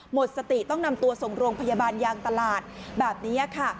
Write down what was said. หมดสติต้องนำตัวส่งโรงพยาบาลยางตลาดแบบนี้ค่ะ